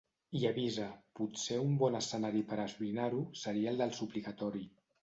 I avisa: potser un bon escenari per a esbrinar-ho seria el del suplicatori.